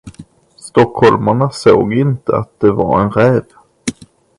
Stockholmarna såg inte att det var en räv.